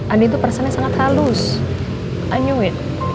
andin tuh perasaannya sangat halus i knew it